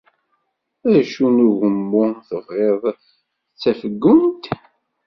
Acu n ugummu tebɣiḍ d tafeggunt?